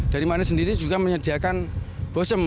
dari mana sendiri juga menyediakan bozem